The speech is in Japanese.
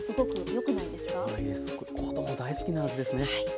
これ子ども大好きな味ですね。